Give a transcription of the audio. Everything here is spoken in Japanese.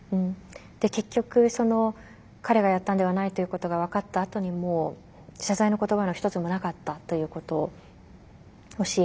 結局彼がやったんではないということが分かったあとにも謝罪の言葉の一つもなかったということを教えてくれて。